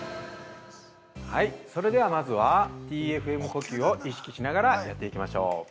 ◆それでは、まずはＴ・Ｆ・Ｍ呼吸を意識しながらやっていきましょう。